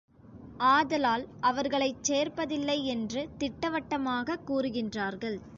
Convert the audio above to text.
ஆதலால் அவர்களைச் சேர்ப்பதில்லையென்று திட்டவட்டமாகக் கூறுகின்றார்கள்.